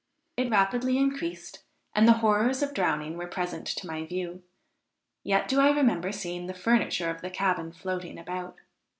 It rapidly increased, and the horrors of drowning were present to my view; yet do I remember seeing the furniture of the cabin floating about.